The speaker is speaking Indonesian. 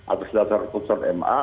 atas dasar utusan ma